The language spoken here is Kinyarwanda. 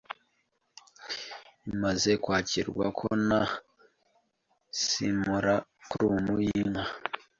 Bimaze kwakirwa na simulacrum y'inka